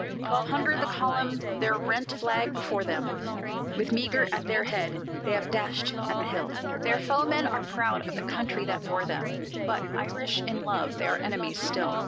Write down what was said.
Twelve hundred the column, their rent flag before them, With Meagher at their head, they have dashed at the hill! Their foemen are proud of the country that bore them; But, Irish in love, they are enemies still.